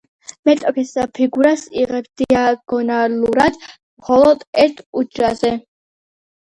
მეტოქის ფიგურას იღებს დიაგონალურად მხოლოდ ერთ უჯრაზე.